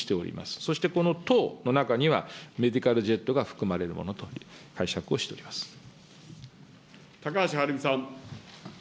そしてこの等の中にはメディカルジェットが含まれるものという解高橋はるみさん。